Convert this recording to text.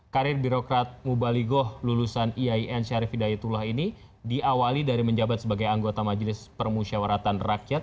karir birokrat mubaligoh lulusan iain syarif hidayatullah ini diawali dari menjabat sebagai anggota majelis permusyawaratan rakyat